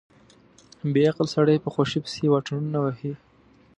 بې عقل سړی په خوښۍ پسې واټنونه وهي.